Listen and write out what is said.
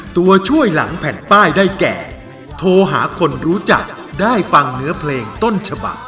ตัวช่วยหลังแผ่นป้ายได้แก่โทรหาคนรู้จักได้ฟังเนื้อเพลงต้นฉบัก